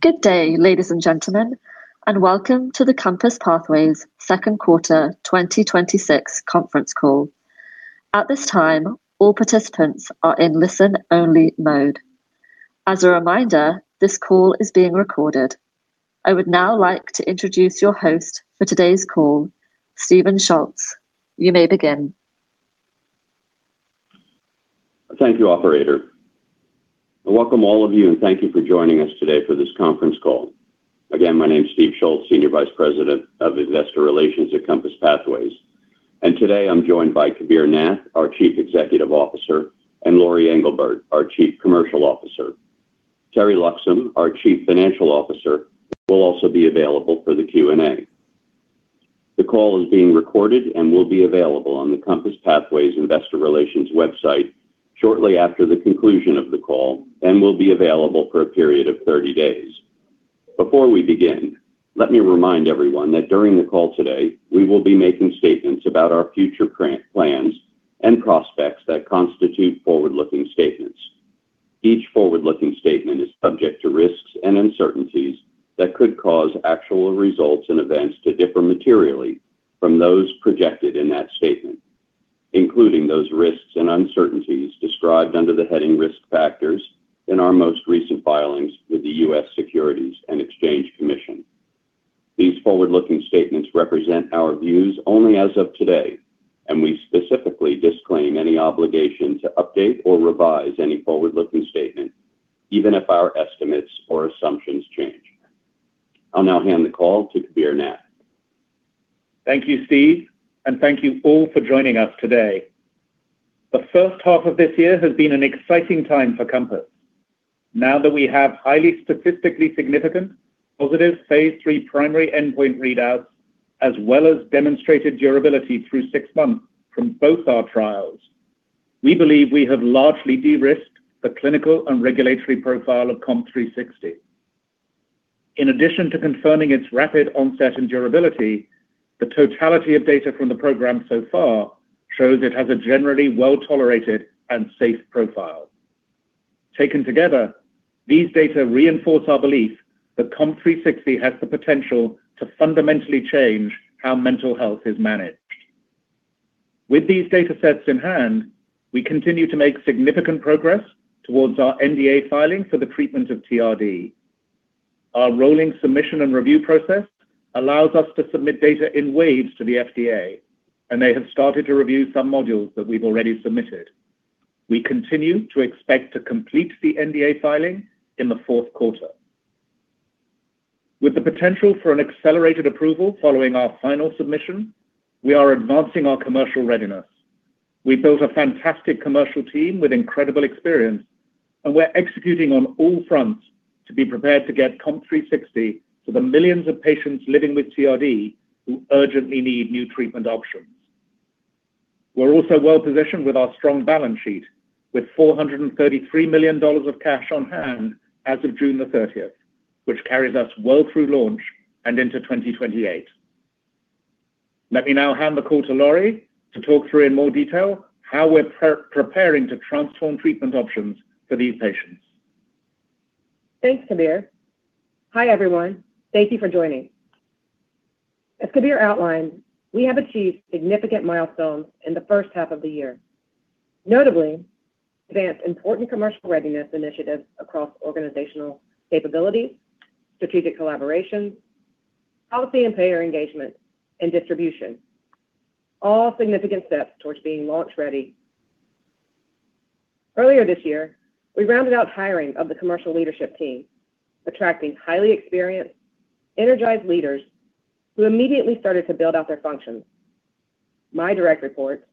Good day, ladies and gentlemen, and welcome to the Compass Pathways second quarter 2026 conference call. At this time, all participants are in listen-only mode. As a reminder, this call is being recorded. I would now like to introduce your host for today's call, Stephen Schultz. You may begin. Thank you, operator. Welcome all of you, and thank you for joining us today for this conference call. Again, my name's Steve Schultz, Senior Vice President of Investor Relations at Compass Pathways. Today I'm joined by Kabir Nath, our Chief Executive Officer, and Lori Englebert, our Chief Commercial Officer. Teri Loxam, our Chief Financial Officer, will also be available for the Q&A. The call is being recorded and will be available on the Compass Pathways investor relations website shortly after the conclusion of the call and will be available for a period of 30 days. Before we begin, let me remind everyone that during the call today, we will be making statements about our future plans and prospects that constitute forward-looking statements. Each forward-looking statement is subject to risks and uncertainties that could cause actual results and events to differ materially from those projected in that statement, including those risks and uncertainties described under the heading Risk Factors in our most recent filings with the U.S. Securities and Exchange Commission. These forward-looking statements represent our views only as of today, and we specifically disclaim any obligation to update or revise any forward-looking statements, even if our estimates or assumptions change. I'll now hand the call to Kabir Nath. Thank you, Steve, and thank you all for joining us today. The first half of this year has been an exciting time for Compass. Now that we have highly statistically significant positive phase III primary endpoint readouts, as well as demonstrated durability through six months from both our trials, we believe we have largely de-risked the clinical and regulatory profile of COMP360. In addition to confirming its rapid onset and durability, the totality of data from the program so far shows it has a generally well-tolerated and safe profile. Taken together, these data reinforce our belief that COMP360 has the potential to fundamentally change how mental health is managed. With these data sets in hand, we continue to make significant progress towards our NDA filing for the treatment of TRD. Our rolling submission and review process allows us to submit data in waves to the FDA, and they have started to review some modules that we've already submitted. We continue to expect to complete the NDA filing in the fourth quarter. With the potential for an accelerated approval following our final submission, we are advancing our commercial readiness. We've built a fantastic commercial team with incredible experience, and we're executing on all fronts to be prepared to get COMP360 to the millions of patients living with TRD who urgently need new treatment options. We're also well positioned with our strong balance sheet, with $433 million of cash on hand as of June the 30th, which carries us well through launch and into 2028. Let me now hand the call to Lori to talk through in more detail how we're preparing to transform treatment options for these patients. Thanks, Kabir. Hi, everyone. Thank you for joining. As Kabir outlined, we have achieved significant milestones in the first half of the year. Notably, advanced important commercial readiness initiatives across organizational capabilities, strategic collaboration, policy and payer engagement, and distribution. All significant steps towards being launch ready. Earlier this year, we rounded out hiring of the commercial leadership team, attracting highly experienced, energized leaders who immediately started to build out their functions. My direct reports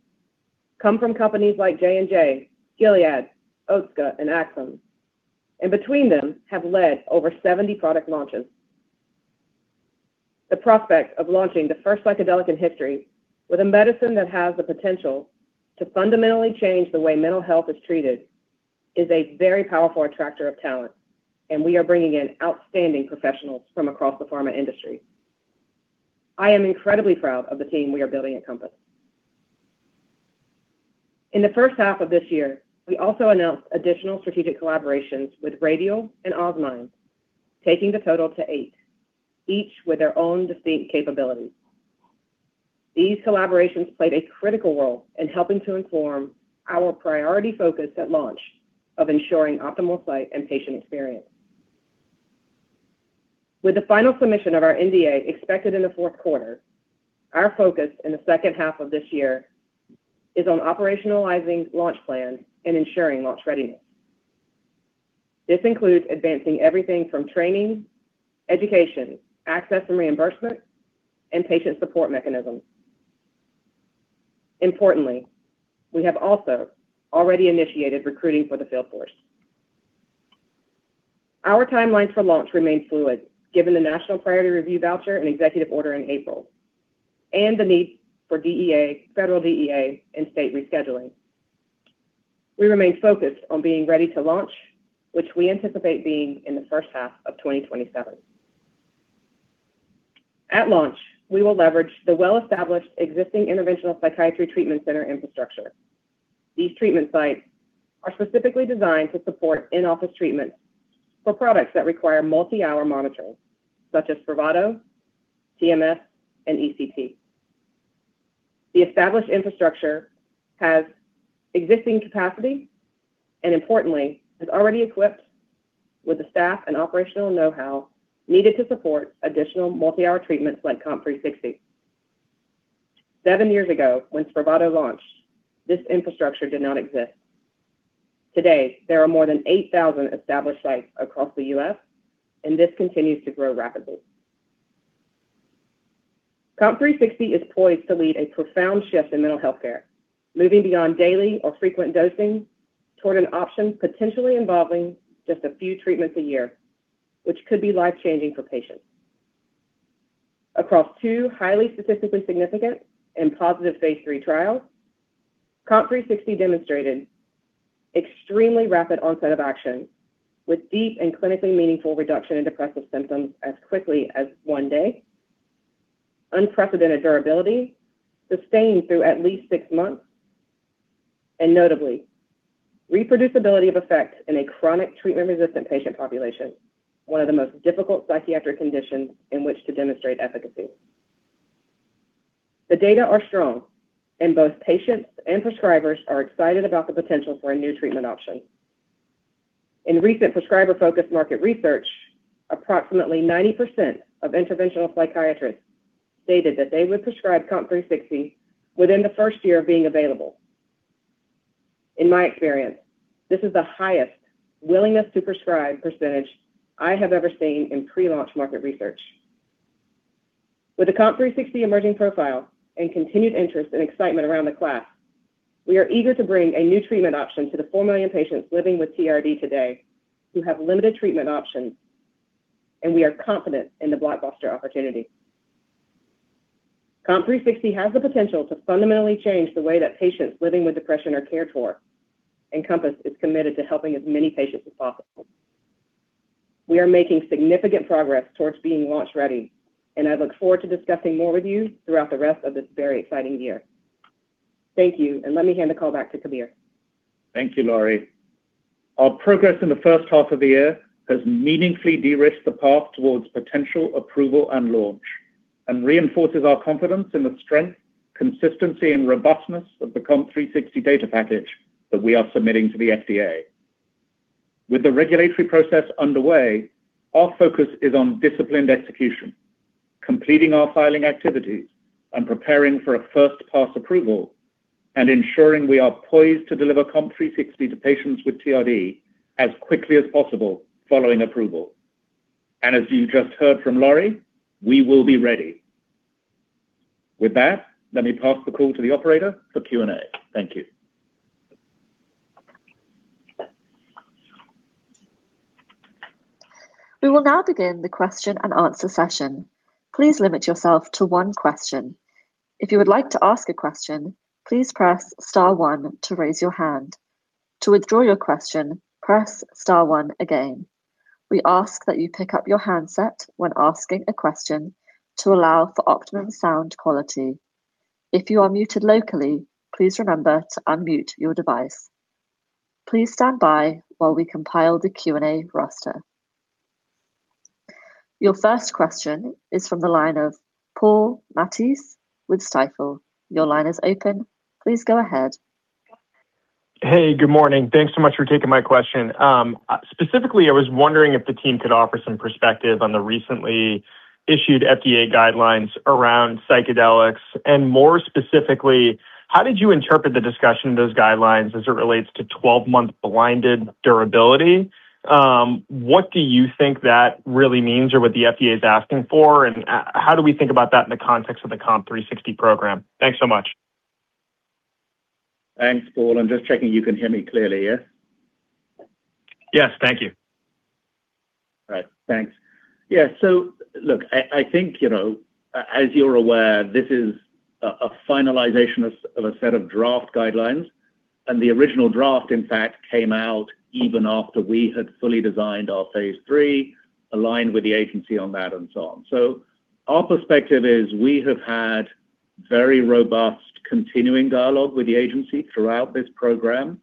come from companies like J&J, Gilead, Otsuka, and Axsome, and between them have led over 70 product launches. The prospect of launching the first psychedelic in history with a medicine that has the potential to fundamentally change the way mental health is treated is a very powerful attractor of talent, and we are bringing in outstanding professionals from across the pharma industry. I am incredibly proud of the team we are building at Compass. In the first half of this year, we also announced additional strategic collaborations with Radial and Osmind, taking the total to eight, each with their own distinct capabilities. These collaborations played a critical role in helping to inform our priority focus at launch of ensuring optimal site and patient experience. With the final submission of our NDA expected in the fourth quarter, our focus in the second half of this year is on operationalizing launch plans and ensuring launch readiness. This includes advancing everything from training, education, access and reimbursement, and patient support mechanisms. Importantly, we have also already initiated recruiting for the sales force. Our timelines for launch remain fluid, given the National Priority Review Voucher and executive order in April, and the need for federal DEA and state rescheduling. We remain focused on being ready to launch, which we anticipate being in the first half of 2027. At launch, we will leverage the well-established existing interventional psychiatry treatment center infrastructure. These treatment sites are specifically designed to support in-office treatment for products that require multi-hour monitoring, such as Spravato, TMS, and ECT. The established infrastructure has existing capacity, and importantly, is already equipped with the staff and operational know-how needed to support additional multi-hour treatments like COMP360. Seven years ago, when Spravato launched, this infrastructure did not exist. Today, there are more than 8,000 established sites across the U.S., and this continues to grow rapidly. COMP360 is poised to lead a profound shift in mental health care, moving beyond daily or frequent dosing toward an option potentially involving just a few treatments a year, which could be life-changing for patients. Across two highly statistically significant and positive phase III trials, COMP360 demonstrated extremely rapid onset of action with deep and clinically meaningful reduction in depressive symptoms as quickly as one day, unprecedented durability sustained through at least six months, and notably, reproducibility of effect in a chronic treatment-resistant patient population, one of the most difficult psychiatric conditions in which to demonstrate efficacy. The data are strong, and both patients and prescribers are excited about the potential for a new treatment option. In recent prescriber-focused market research, approximately 90% of interventional psychiatrists stated that they would prescribe COMP360 within the first year of being available. In my experience, this is the highest willingness to prescribe percentage I have ever seen in pre-launch market research. With the COMP360 emerging profile and continued interest and excitement around the class, we are eager to bring a new treatment option to the 4 million patients living with TRD today who have limited treatment options. We are confident in the blockbuster opportunity. COMP360 has the potential to fundamentally change the way that patients living with depression are cared for. Compass is committed to helping as many patients as possible. We are making significant progress towards being launch-ready. I look forward to discussing more with you throughout the rest of this very exciting year. Thank you. Let me hand the call back to Kabir. Thank you, Lori. Our progress in the first half of the year has meaningfully de-risked the path towards potential approval and launch and reinforces our confidence in the strength, consistency, and robustness of the COMP360 data package that we are submitting to the FDA. With the regulatory process underway, our focus is on disciplined execution, completing our filing activities and preparing for a first-pass approval and ensuring we are poised to deliver COMP360 to patients with TRD as quickly as possible following approval. As you just heard from Lori, we will be ready. With that, let me pass the call to the operator for Q&A. Thank you. We will now begin the question-and-answer session. Please limit yourself to one question. If you would like to ask a question, please press star one to raise your hand. To withdraw your question, press star one again. We ask that you pick up your handset when asking a question to allow for optimum sound quality. If you are muted locally, please remember to unmute your device. Please stand by while we compile the Q&A roster. Your first question is from the line of Paul Matteis with Stifel. Your line is open. Please go ahead. Hey. Good morning. Thanks so much for taking my question. Specifically, I was wondering if the team could offer some perspective on the recently issued FDA guidelines around psychedelics, and more specifically, how did you interpret the discussion of those guidelines as it relates to 12-month blinded durability? What do you think that really means or what the FDA is asking for, and how do we think about that in the context of the COMP360 program? Thanks so much. Thanks, Paul. Just checking you can hear me clearly, yeah? Yes. Thank you. All right. Thanks. Yeah. Look, I think as you're aware, this is a finalization of a set of draft guidelines. The original draft, in fact, came out even after we had fully designed our phase III, aligned with the agency on that and so on. Our perspective is we have had very robust continuing dialogue with the agency throughout this program.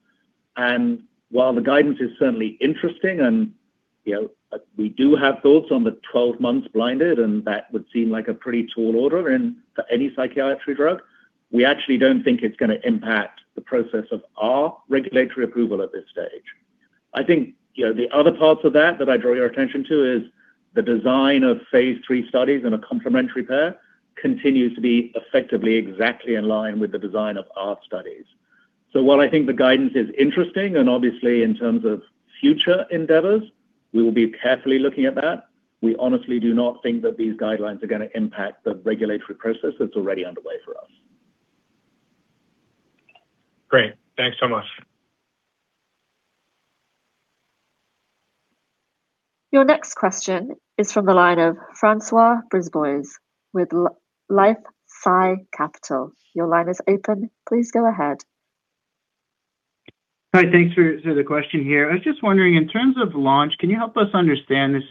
While the guidance is certainly interesting and we do have thoughts on the 12 months blinded and that would seem like a pretty tall order for any psychiatry drug, we actually don't think it's going to impact the process of our regulatory approval at this stage. I think the other parts of that that I draw your attention to is the design of phase III studies in a complementary pair continues to be effectively exactly in line with the design of our studies. While I think the guidance is interesting and obviously in terms of future endeavors, we will be carefully looking at that, we honestly do not think that these guidelines are going to impact the regulatory process that's already underway for us. Great. Thanks so much. Your next question is from the line of Francois Brisebois with LifeSci Capital. Your line is open. Please go ahead. Hi, thanks for the question here. I was just wondering, in terms of launch, can you help us understand, this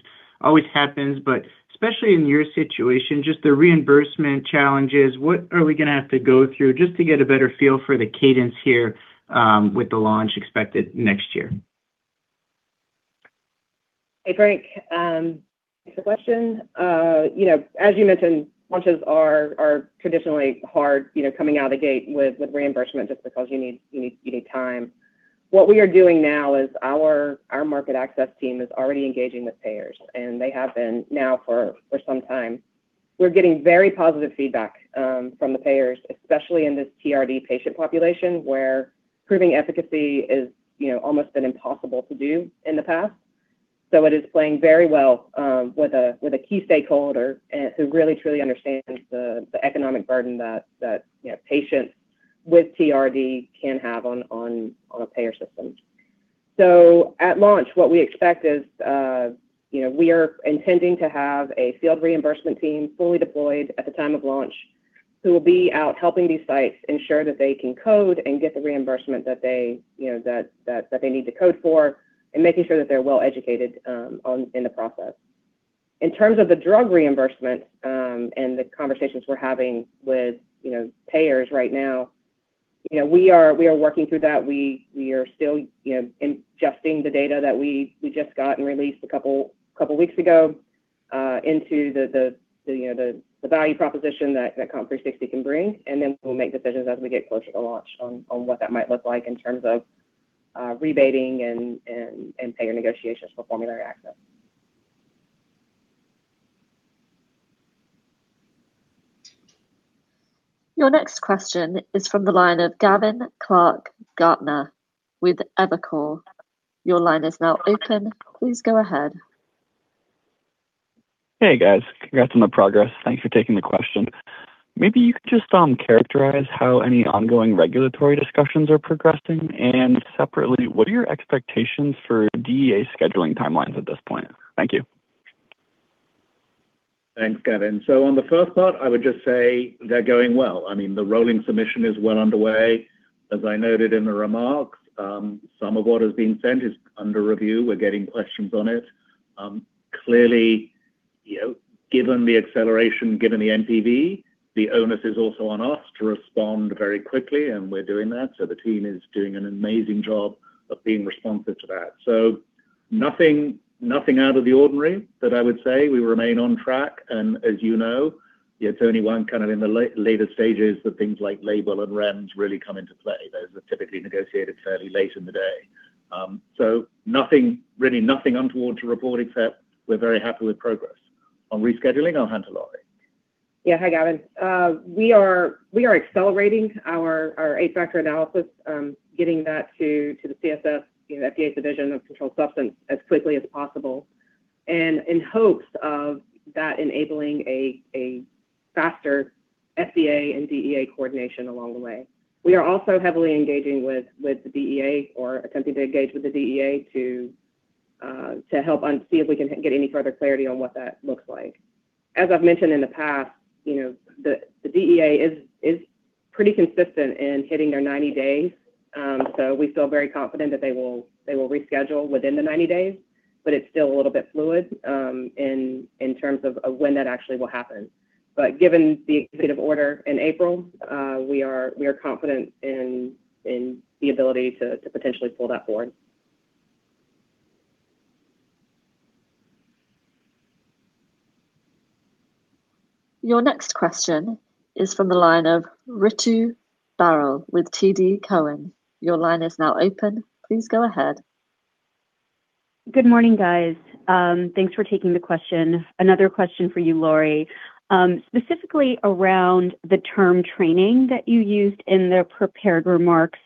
always happens, but especially in your situation, just the reimbursement challenges. What are we going to have to go through just to get a better feel for the cadence here with the launch expected next year? Hey, Frank. Thanks for the question. As you mentioned, launches are traditionally hard coming out of the gate with reimbursement just because you need time. What we are doing now is our market access team is already engaging with payers, and they have been now for some time. We are getting very positive feedback from the payers, especially in this TRD patient population, where proving efficacy is almost been impossible to do in the past. It is playing very well with a key stakeholder who really, truly understands the economic burden that patients with TRD can have on a payer system. At launch, what we expect is we are intending to have a field reimbursement team fully deployed at the time of launch who will be out helping these sites ensure that they can code and get the reimbursement that they need to code for and making sure that they are well-educated in the process. In terms of the drug reimbursement and the conversations we are having with payers right now, we are working through that. We are still ingesting the data that we just got and released a couple weeks ago into the value proposition that COMP360 can bring. We will make decisions as we get closer to launch on what that might look like in terms of rebating and payer negotiations for formulary access. Your next question is from the line of Gavin Clark-Gartner with Evercore. Your line is now open. Please go ahead. Hey, guys. Congrats on the progress. Thanks for taking the question. Maybe you could just characterize how any ongoing regulatory discussions are progressing? Separately, what are your expectations for DEA scheduling timelines at this point? Thank you. Thanks, Gavin. On the first part, I would just say they're going well. The rolling submission is well underway. As I noted in the remarks, some of what has been sent is under review. We're getting questions on it. Given the acceleration, given the NPV, the onus is also on us to respond very quickly, and we're doing that. The team is doing an amazing job of being responsive to that. Nothing out of the ordinary that I would say. We remain on track, and as you know, it's only in the later stages that things like label and REMS really come into play. Those are typically negotiated fairly late in the day. Really nothing untoward to report, except we're very happy with progress. On rescheduling, I'll hand to Lori. Yeah. Hi, Gavin. We are accelerating our eight-factor analysis, getting that to the CSS, FDA's Division of Controlled Substance, as quickly as possible, and in hopes of that enabling a faster FDA and DEA coordination along the way. We are also heavily engaging with the DEA or attempting to engage with the DEA to help see if we can get any further clarity on what that looks like. As I've mentioned in the past, the DEA is pretty consistent in hitting their 90 days. We feel very confident that they will reschedule within the 90 days, but it's still a little bit fluid in terms of when that actually will happen. Given the executive order in April, we are confident in the ability to potentially pull that forward. Your next question is from the line of Ritu Baral with TD Cowen. Your line is now open. Please go ahead. Good morning, guys. Thanks for taking the question. Another question for you, Lori, specifically around the term training that you used in the prepared remarks.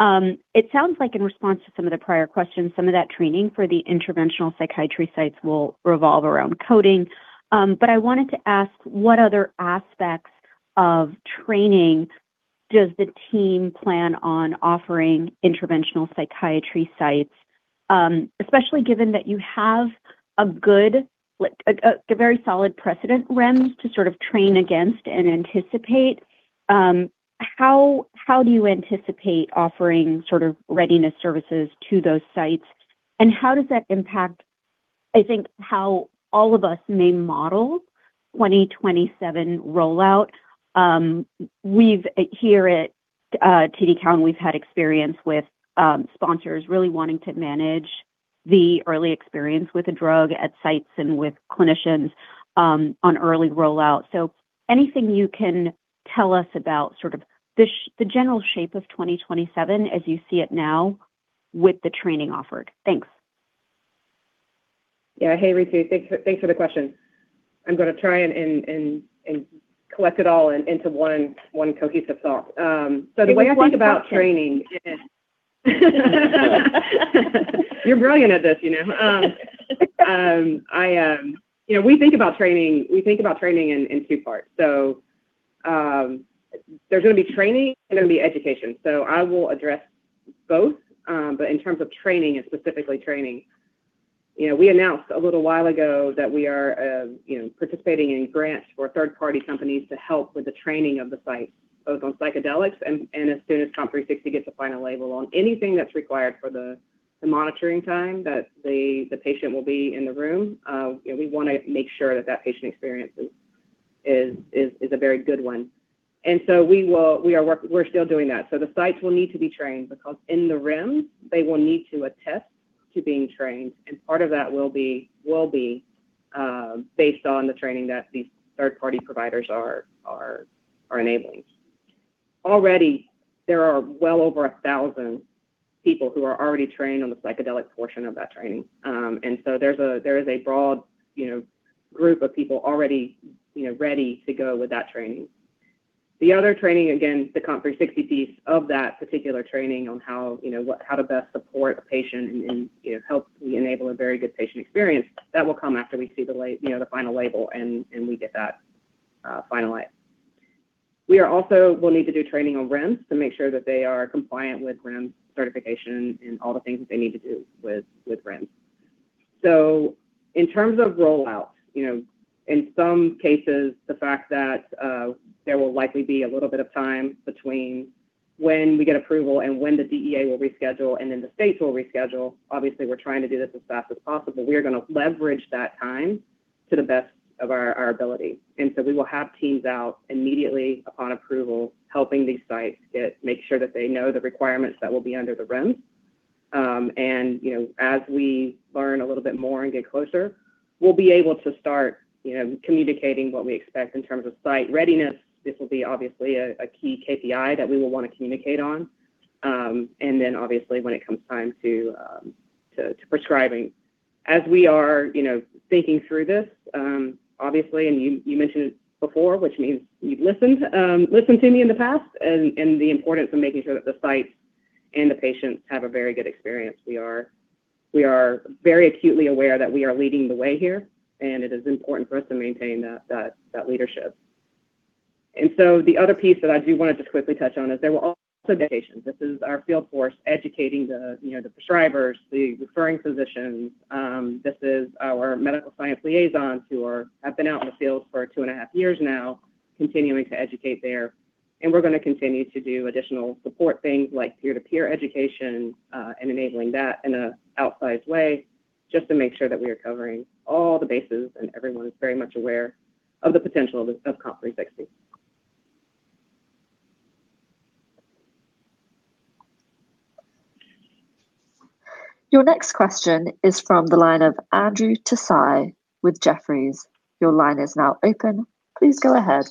It sounds like in response to some of the prior questions, some of that training for the interventional psychiatry sites will revolve around coding. I wanted to ask, what other aspects of training does the team plan on offering interventional psychiatry sites, especially given that you have a very solid precedent, REMS, to sort of train against and anticipate? How do you anticipate offering sort of readiness services to those sites, and how does that impact, I think, how all of us may model 2027 rollout? Here at TD Cowen, we've had experience with sponsors really wanting to manage the early experience with a drug at sites and with clinicians on early rollout. Anything you can tell us about sort of the general shape of 2027 as you see it now with the training offered? Thanks. Yeah. Hey, Ritu. Thanks for the question. I'm going to try and collect it all into one cohesive thought. The way I think about training. It's like one question. You're brilliant at this, you know? We think about training in two parts. There's going to be training, and there's going to be education. I will address both. In terms of training and specifically training. We announced a little while ago that we are participating in grants for third-party companies to help with the training of the site, both on psychedelics and as soon as COMP360 gets a final label on anything that's required for the monitoring time that the patient will be in the room. We want to make sure that patient experience is a very good one. We're still doing that. The sites will need to be trained because in the rooms they will need to attest to being trained. Part of that will be based on the training that these third-party providers are enabling. Already, there are well over 1,000 people who are already trained on the psychedelic portion of that training. There's a broad group of people already ready to go with that training. The other training, again, the COMP360 piece of that particular training on how to best support a patient and help enable a very good patient experience, that will come after we see the final label, and we get that finalized. We also will need to do training on REMS to make sure that they are compliant with REMS certification and all the things that they need to do with REMS. In terms of rollout, in some cases, the fact that there will likely be a little bit of time between when we get approval and when the DEA will reschedule and then the states will reschedule. Obviously, we're trying to do this as fast as possible. We are going to leverage that time to the best of our ability. We will have teams out immediately upon approval, helping these sites make sure that they know the requirements that will be under the REMS. As we learn a little bit more and get closer, we'll be able to start communicating what we expect in terms of site readiness. This will be obviously a key KPI that we will want to communicate on. Obviously, when it comes time to prescribing. As we are thinking through this, obviously, and you mentioned it before, which means you've listened to me in the past, the importance of making sure that the sites and the patients have a very good experience. We are very acutely aware that we are leading the way here, and it is important for us to maintain that leadership. The other piece that I do want to just quickly touch on is there will also be patients. This is our field force educating the prescribers, the referring physicians. This is our medical science liaisons who have been out in the field for two and a half years now, continuing to educate there. We're going to continue to do additional support things like peer-to-peer education, and enabling that in an outsized way, just to make sure that we are covering all the bases and everyone is very much aware of the potential of COMP360. Your next question is from the line of Andrew Tsai with Jefferies. Your line is now open. Please go ahead.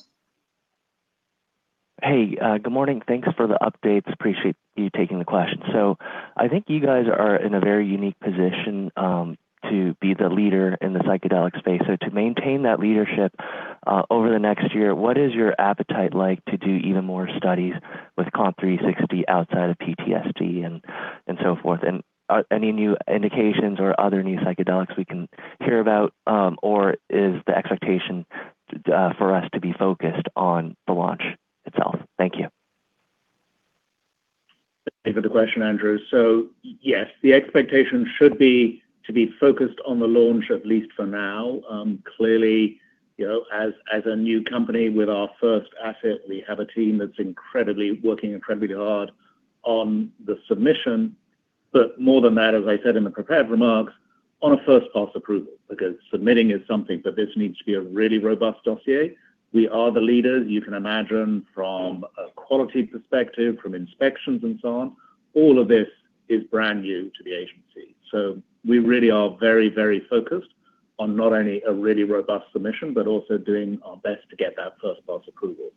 Hey, good morning. Thanks for the updates. Appreciate you taking the question. I think you guys are in a very unique position to be the leader in the psychedelic space. To maintain that leadership over the next year, what is your appetite like to do even more studies with COMP360 outside of PTSD and so forth? Are any new indications or other new psychedelics we can hear about, or is the expectation for us to be focused on the launch itself? Thank you. Thank you for the question, Andrew. Yes, the expectation should be to be focused on the launch, at least for now. Clearly, as a new company with our first asset, we have a team that's working incredibly hard on the submission, but more than that, as I said in the prepared remarks, on a first-pass approval. Submitting is something, but this needs to be a really robust dossier. We are the leaders, you can imagine, from a quality perspective, from inspections and so on. All of this is brand new to the agency. We really are very, very focused on not only a really robust submission, but also doing our best to get that first-pass approval.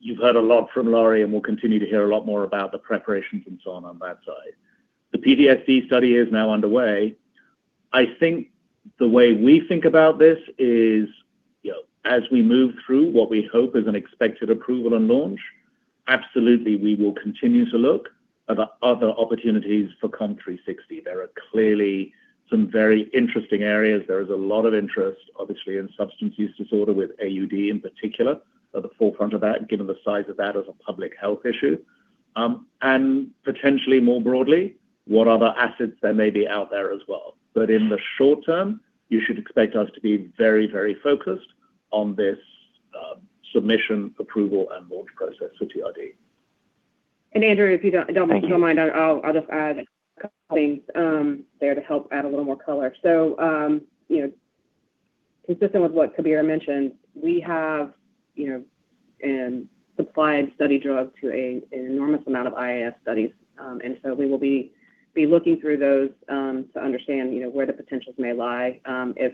You've heard a lot from Lori, and we'll continue to hear a lot more about the preparations and so on that side. The PTSD study is now underway. I think the way we think about this is as we move through what we hope is an expected approval and launch, absolutely, we will continue to look at other opportunities for COMP360. There are clearly some very interesting areas. There is a lot of interest, obviously, in substance use disorder with AUD in particular, at the forefront of that, given the size of that as a public health issue. Potentially more broadly, what other assets there may be out there as well. In the short term, you should expect us to be very, very focused on this submission, approval, and launch process for TRD. Andrew, if you don't mind— Thank you. I'll just add a couple things there to help add a little more color. Consistent with what Kabir mentioned, we have supplied study drugs to an enormous amount of IIS studies. We will be looking through those to understand where the potentials may lie if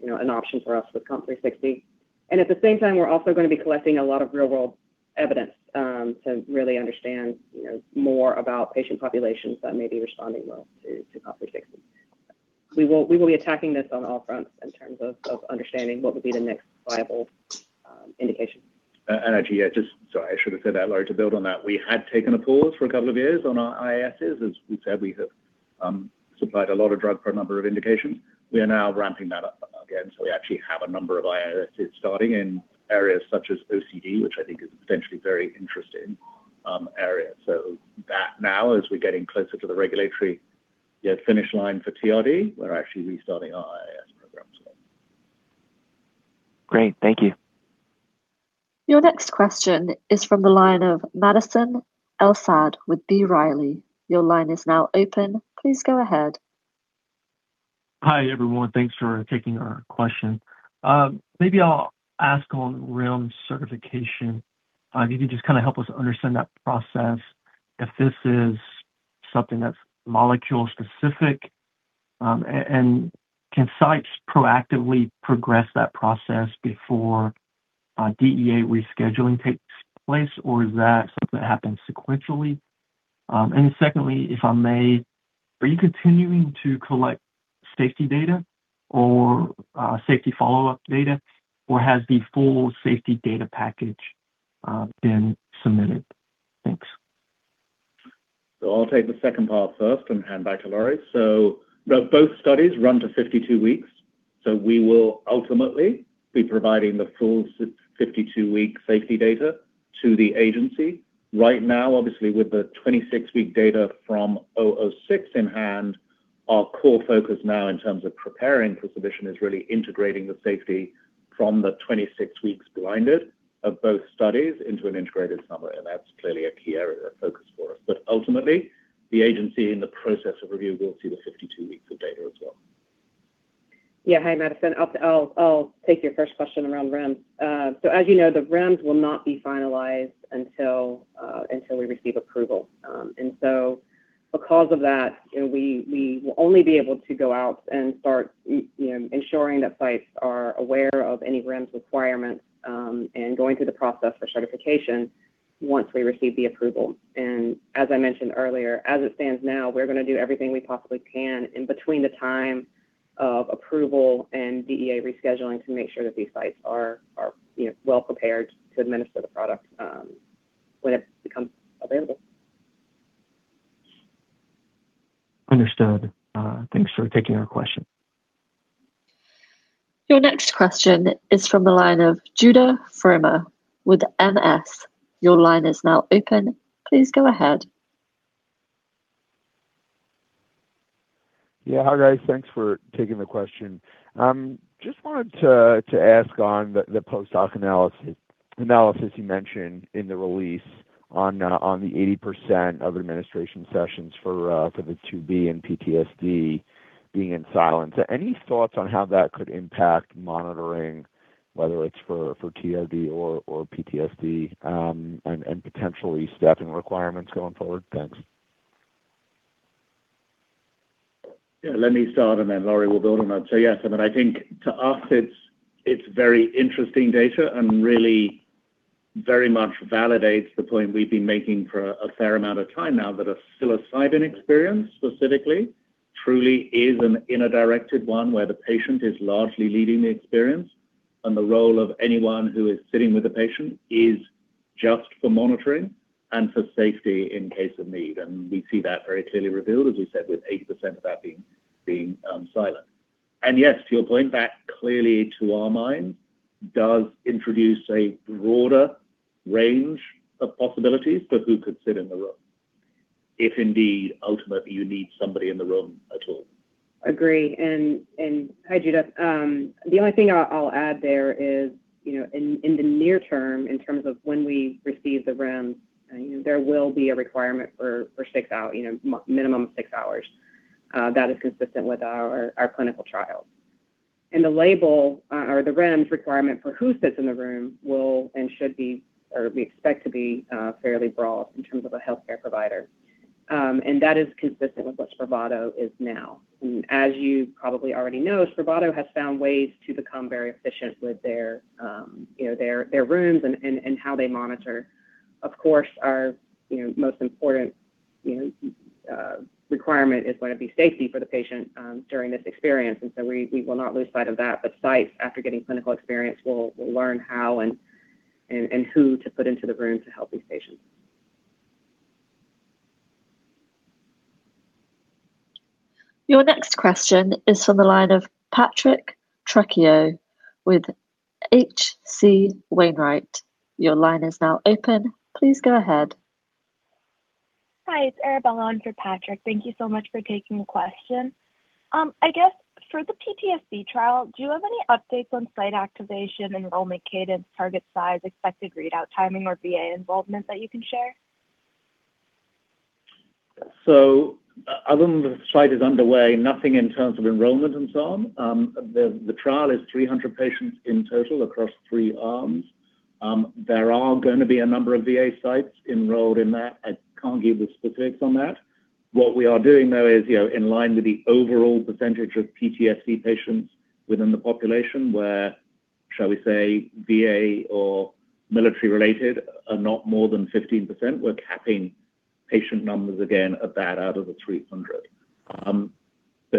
that becomes an option for us with COMP360. At the same time, we're also going to be collecting a lot of real-world evidence to really understand more about patient populations that may be responding well to COMP360. We will be attacking this on all fronts in terms of understanding what would be the next viable indication. Actually, yeah, just, sorry, I should have said that, Lori, to build on that. We had taken a pause for a couple of years on our IIS. As we've said, we have supplied a lot of drug for a number of indications. We are now ramping that up. We actually have a number of IIS starting in areas such as OCD, which I think is potentially a very interesting area. That now, as we're getting closer to the regulatory finish line for TRD, we're actually restarting our IIS program. Great. Thank you. Your next question is from the line of Madison El-Saadi with B. Riley. Your line is now open. Please go ahead. Hi, everyone. Thanks for taking our question. Maybe I'll ask on REMS certification. If you could just help us understand that process, if this is something that's molecule specific. Can sites proactively progress that process before DEA rescheduling takes place, or is that something that happens sequentially? Secondly, if I may, are you continuing to collect safety data or safety follow-up data, or has the full safety data package been submitted? Thanks. I'll take the second part first and hand back to Lori. Both studies run to 52 weeks, so we will ultimately be providing the full 52-week safety data to the agency. Right now, obviously, with the 26-week data from COMP006 in hand, our core focus now in terms of preparing for submission is really integrating the safety from the 26 weeks blinded of both studies into an integrated summary, and that's clearly a key area of focus for us. Ultimately, the agency in the process of review will see the 52 weeks of data as well. Yeah. Hi, Madison. I'll take your first question around REMS. As you know, the REMS will not be finalized until we receive approval. Because of that, we will only be able to go out and start ensuring that sites are aware of any REMS requirements, and going through the process for certification once we receive the approval. As I mentioned earlier, as it stands now, we're going to do everything we possibly can in between the time of approval and DEA rescheduling to make sure that these sites are well prepared to administer the product when it becomes available. Understood. Thanks for taking our question. Your next question is from the line of Judah Frommer with MS. Your line is now open. Please go ahead. Yeah. Hi, guys. Thanks for taking the question. Just wanted to ask on the post-hoc analysis you mentioned in the release on the 80% of administration sessions for the phase IIb and PTSD being in silence. Any thoughts on how that could impact monitoring, whether it's for TRD or PTSD, and potentially staffing requirements going forward? Thanks. Yeah, let me start and then Lori will build on that. Yes, I think to us, it's very interesting data and really very much validates the point we've been making for a fair amount of time now that a psilocybin experience specifically truly is an inner-directed one where the patient is largely leading the experience. The role of anyone who is sitting with a patient is just for monitoring and for safety in case of need. We see that very clearly revealed, as we said, with 80% of that being silent. Yes, your point back clearly to our mind does introduce a broader range of possibilities for who could sit in the room. If indeed, ultimately you need somebody in the room at all. Hi, Judah. The only thing I'll add there is in the near term, in terms of when we receive the REMS, there will be a requirement for a minimum of six hours. That is consistent with our clinical trial. The label or the REMS requirement for who sits in the room will and should be, or we expect to be fairly broad in terms of a healthcare provider. That is consistent with what Spravato is now. As you probably already know, Spravato has found ways to become very efficient with their rooms and how they monitor. Of course, our most important requirement is going to be safety for the patient during this experience. We will not lose sight of that. Sites, after getting clinical experience, will learn how and who to put into the room to help these patients. Your next question is from the line of Patrick Trucchio with H.C. Wainwright. Your line is now open. Please go ahead. Hi, it's Arabella on for Patrick. Thank you so much for taking the question. I guess for the PTSD trial, do you have any updates on site activation, enrollment cadence, target size, expected readout timing, or VA involvement that you can share? Other than the site is underway, nothing in terms of enrollment and so on. The trial is 300 patients in total across three arms. There are going to be a number of VA sites enrolled in that. I can't give the specifics on that. What we are doing, though, is in line with the overall percentage of PTSD patients within the population where, shall we say VA or military related are not more than 15%. We're capping patient numbers again of that out of the 300.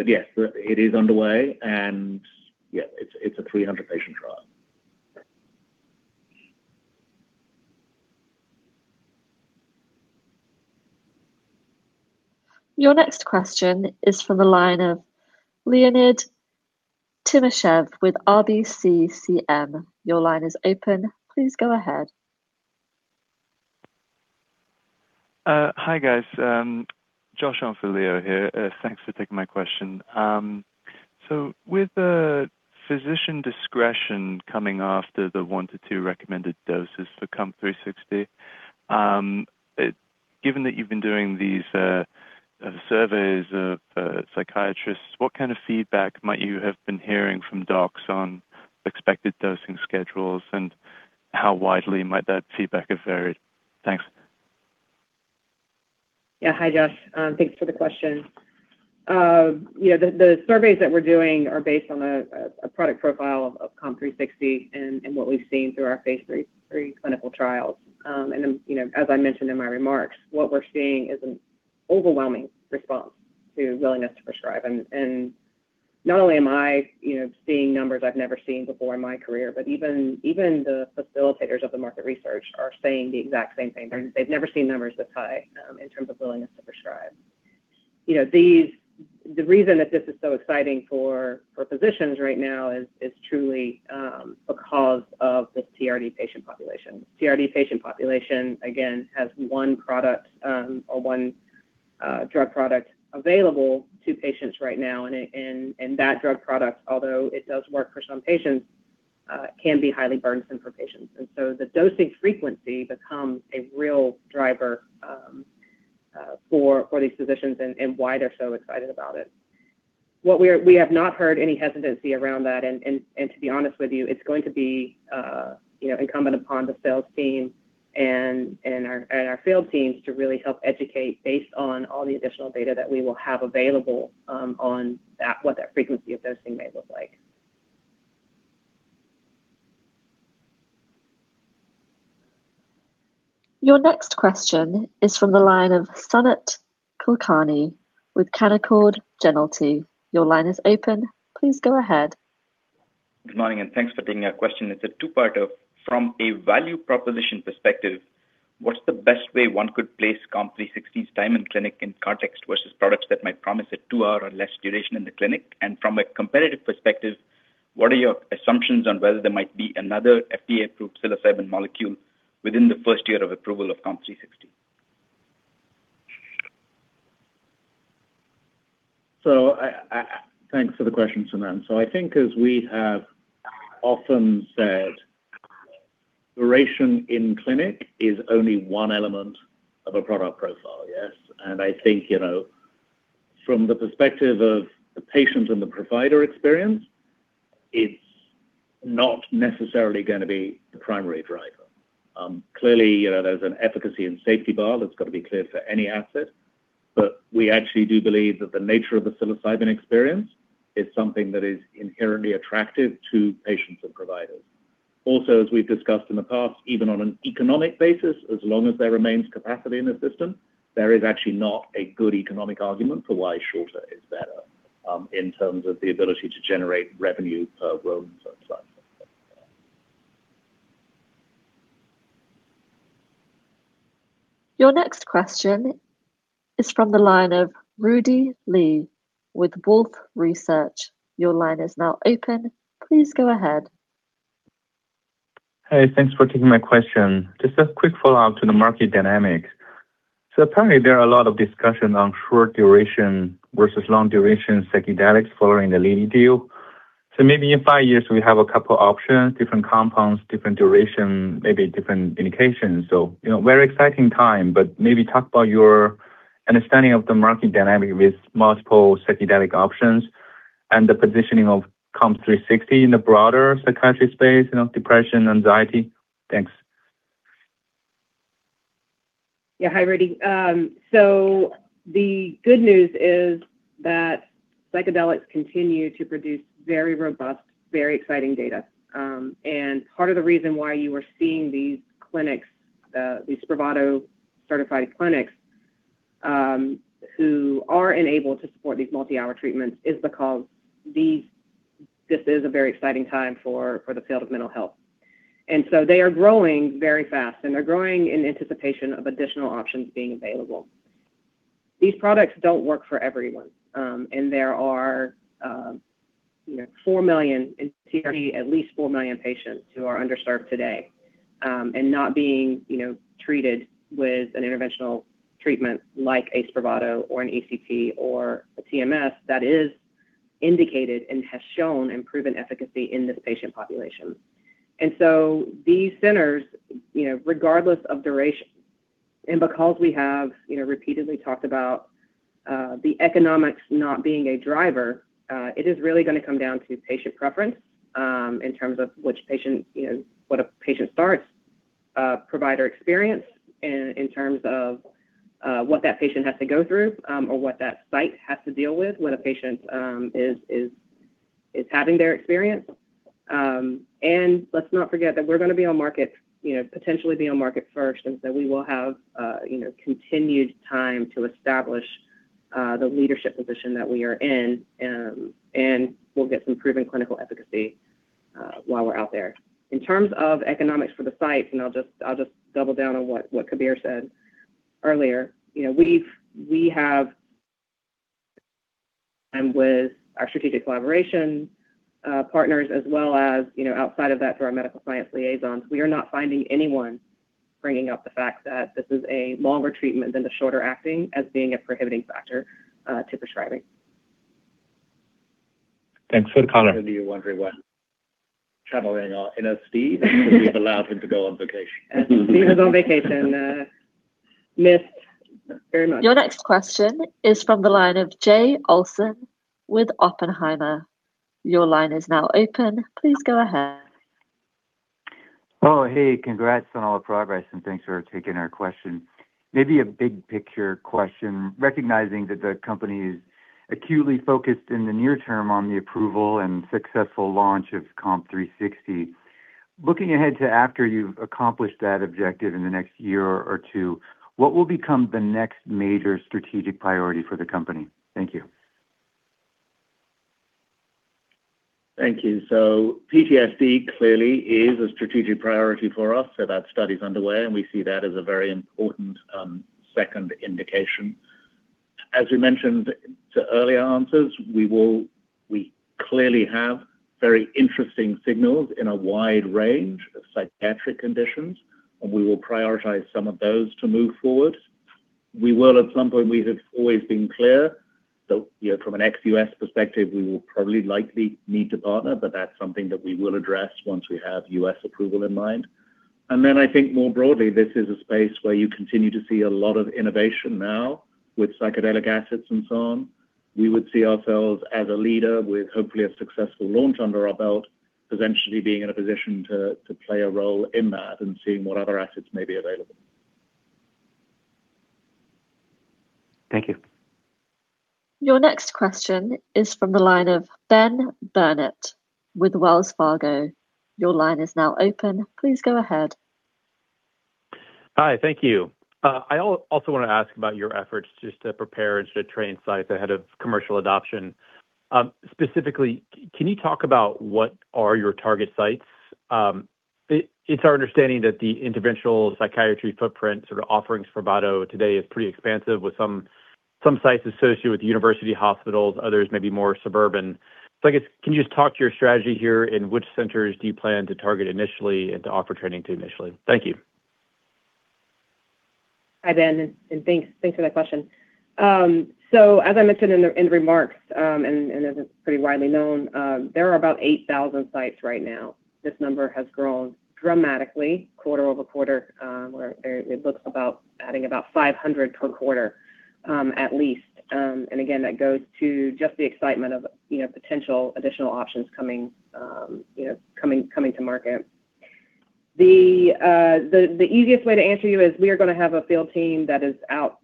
Yes, it is underway and yes, it's a 300-patient trial. Your next question is from the line of Leonid Timashev with RBCCM. Your line is open. Please go ahead. Hi, guys. Josh on for Leo here. Thanks for taking my question. With the physician discretion coming after the one to two recommended doses for COMP360, given that you've been doing these surveys of psychiatrists, what kind of feedback might you have been hearing from docs on expected dosing schedules, and how widely might that feedback have varied? Thanks. Yeah. Hi, Josh. Thanks for the question. The surveys that we're doing are based on a product profile of COMP360 and what we've seen through our phase III clinical trials. Then, as I mentioned in my remarks, what we're seeing is an overwhelming response to willingness to prescribe. Not only am I seeing numbers I've never seen before in my career, but even the facilitators of the market research are saying the exact same thing. They've never seen numbers this high in terms of willingness to prescribe. The reason that this is so exciting for physicians right now is truly because of the TRD patient population. TRD patient population, again, has one product or one drug product available to patients right now. That drug product, although it does work for some patients, can be highly burdensome for patients. The dosing frequency becomes a real driver for these physicians and why they're so excited about it. We have not heard any hesitancy around that, and to be honest with you, it's going to be incumbent upon the sales team and our field teams to really help educate based on all the additional data that we will have available on what that frequency of dosing may look like. Your next question is from the line of Sumant Kulkarni with Canaccord Genuity. Your line is open. Please go ahead. Good morning, thanks for taking our question. It's a two-parter. From a value proposition perspective, what's the best way one could place COMP360's time in clinic in context versus products that might promise a two-hour or less duration in the clinic? From a competitive perspective, what are your assumptions on whether there might be another FDA-approved psilocybin molecule within the first year of approval of COMP360? Thanks for the question, Sumant. I think as we have often said, duration in clinic is only one element of a product profile. Yes. I think from the perspective of the patient and the provider experience, it's not necessarily going to be the primary driver. Clearly, there's an efficacy and safety bar that's got to be cleared for any asset. We actually do believe that the nature of the psilocybin experience is something that is inherently attractive to patients and providers. Also, as we've discussed in the past, even on an economic basis, as long as there remains capacity in the system, there is actually not a good economic argument for why shorter is better in terms of the ability to generate revenue per room, so and such. Your next question is from the line of Rudy Li with Wolfe Research. Your line is now open. Please go ahead. Hey, thanks for taking my question. Just a quick follow-up to the market dynamic. Apparently there are a lot of discussion on short duration versus long duration psychedelics following the Lilly deal. Maybe in five years we have a couple options, different compounds, different duration, maybe different indications. Very exciting time, but maybe talk about your understanding of the market dynamic with multiple psychedelic options and the positioning of COMP360 in the broader psychiatry space, depression, anxiety. Thanks. Yeah. Hi, Rudy. The good news is that psychedelics continue to produce very robust, very exciting data. Part of the reason why you are seeing these clinics, these Spravato certified clinics, who are enabled to support these multi-hour treatments, is because this is a very exciting time for the field of mental health. They are growing very fast, and they're growing in anticipation of additional options being available. These products don't work for everyone. There are at least 4 million patients who are underserved today, and not being treated with an interventional treatment like a Spravato or an ECT or a TMS that is indicated and has shown and proven efficacy in this patient population. These centers, regardless of duration, and because we have repeatedly talked about the economics not being a driver, it is really going to come down to patient preference in terms of what a patient starts, provider experience in terms of what that patient has to go through or what that site has to deal with when a patient is having their experience. Let's not forget that we're going to potentially be on market first, and so we will have continued time to establish the leadership position that we are in, and we'll get some proven clinical efficacy While we're out there. In terms of economics for the sites, I'll just double down on what Kabir said earlier. With our strategic collaboration partners, as well as outside of that through our medical science liaisons, we are not finding anyone bringing up the fact that this is a longer treatment than the shorter acting as being a prohibiting factor to prescribing. Thanks for the color. For those of you wondering, we have allowed him to go on vacation. Steve is on vacation. Missed very much. Your next question is from the line of Jay Olson with Oppenheimer. Your line is now open. Please go ahead. Oh, hey. Congrats on all the progress. Thanks for taking our question. Maybe a big picture question, recognizing that the company is acutely focused in the near term on the approval and successful launch of COMP360. Looking ahead to after you've accomplished that objective in the next year or two, what will become the next major strategic priority for the company? Thank you. Thank you. PTSD clearly is a strategic priority for us. That study's underway. We see that as a very important second indication. As we mentioned to earlier answers, we clearly have very interesting signals in a wide range of psychiatric conditions. We will prioritize some of those to move forward. We will at some point, we have always been clear, from an ex-U.S. perspective, we will probably likely need to partner. That's something that we will address once we have U.S. approval in mind. I think more broadly, this is a space where you continue to see a lot of innovation now with psychedelic assets and so on. We would see ourselves as a leader with hopefully a successful launch under our belt, potentially being in a position to play a role in that and seeing what other assets may be available. Thank you. Your next question is from the line of Ben Burnett with Wells Fargo. Your line is now open. Please go ahead. Hi. Thank you. I also want to ask about your efforts just to prepare and to train sites ahead of commercial adoption. Specifically, can you talk about what are your target sites? It's our understanding that the interventional psychiatry footprint offerings for Spravato today is pretty expansive with some sites associated with university hospitals, others may be more suburban. I guess, can you just talk to your strategy here and which centers do you plan to target initially and to offer training to initially? Thank you. Hi, Ben, thanks for that question. As I mentioned in the remarks, as is pretty widely known, there are about 8,000 sites right now. This number has grown dramatically quarter-over-quarter, where it looks about adding about 500 per quarter at least. Again, that goes to just the excitement of potential additional options coming to market. The easiest way to answer you is we are going to have a field team that is out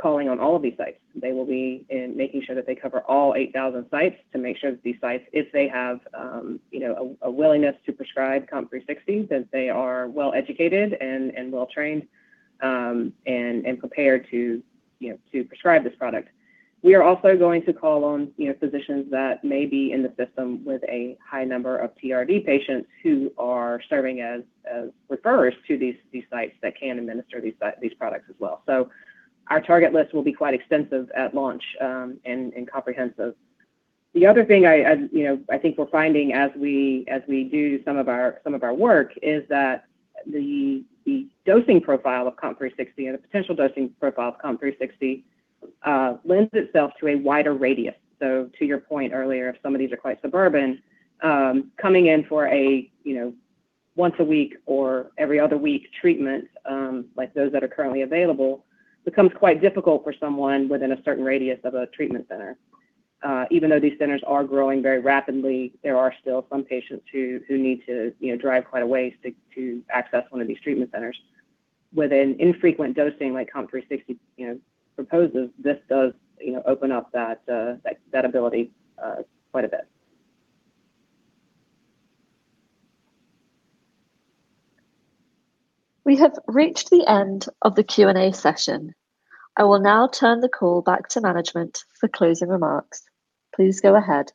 calling on all of these sites. They will be making sure that they cover all 8,000 sites to make sure that these sites, if they have a willingness to prescribe COMP360, that they are well educated and well trained, and prepared to prescribe this product. We are also going to call on physicians that may be in the system with a high number of TRD patients who are serving as referrers to these sites that can administer these products as well. Our target list will be quite extensive at launch, and comprehensive. The other thing I think we're finding as we do some of our work, is that the dosing profile of COMP360 and the potential dosing profile of COMP360 lends itself to a wider radius. To your point earlier, if some of these are quite suburban, coming in for a once a week or every other week treatment, like those that are currently available, becomes quite difficult for someone within a certain radius of a treatment center. Even though these centers are growing very rapidly, there are still some patients who need to drive quite a way to access one of these treatment centers. With an infrequent dosing like COMP360 proposes, this does open up that ability quite a bit. We have reached the end of the Q&A session. I will now turn the call back to management for closing remarks. Please go ahead.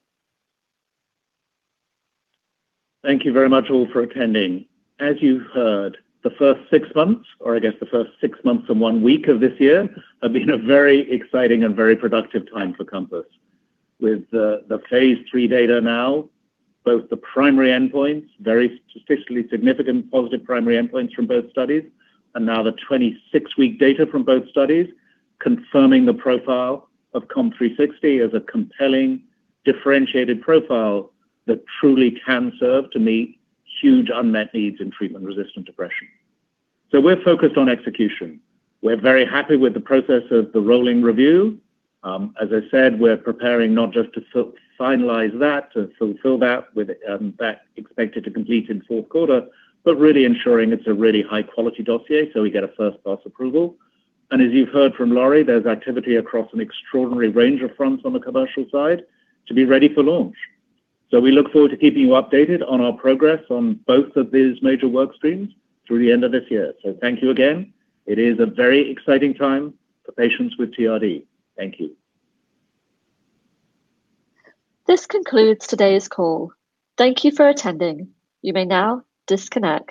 Thank you very much all for attending. As you've heard, the first six months, or I guess the first six months and one week of this year, have been a very exciting and very productive time for Compass. With the phase III data now, both the primary endpoints, very statistically significant positive primary endpoints from both studies, and now the 26-week data from both studies confirming the profile of COMP360 as a compelling, differentiated profile that truly can serve to meet huge unmet needs in treatment-resistant depression. We're focused on execution. We're very happy with the process of the rolling review. As I said, we're preparing not just to finalize that, to fulfill that with that expected to complete in the fourth quarter, but really ensuring it's a really high-quality dossier so we get a first-pass approval. As you've heard from Lori, there's activity across an extraordinary range of fronts on the commercial side to be ready for launch. We look forward to keeping you updated on our progress on both of these major work streams through the end of this year. Thank you again. It is a very exciting time for patients with TRD. Thank you. This concludes today's call. Thank you for attending. You may now disconnect